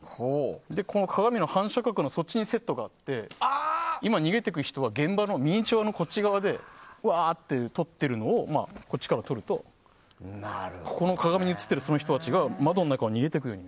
この鏡の反射角のそっちにセットがあって逃げていく人は現場のミニチュアのこっち側でわー！と撮ってるのを反対から撮るとこの鏡に映っているこの人たちが窓の中を逃げていくように。